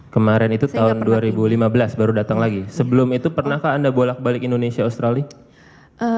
kemarin itu tahun dua ribu lima belas baru datang lagi sebelum itu pernahkah anda bolak balik indonesia australia